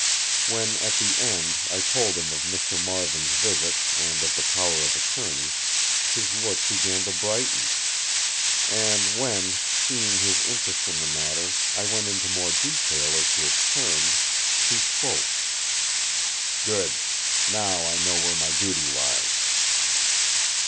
When, at the end, I told him of Mr. Marvin's visit and of the Power of Attorney, his look began to brighten. And when, seeing his interest in the matter, I went more into detail as to its terms, he spoke: "Good! Now I know where my duty lies!"